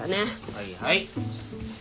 はいはい。